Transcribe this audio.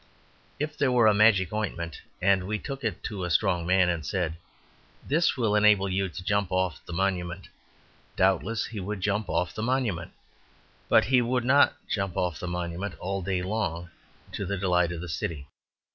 If there were a magic ointment, and we took it to a strong man, and said, "This will enable you to jump off the Monument," doubtless he would jump off the Monument, but he would not jump off the Monument all day long to the delight of the City.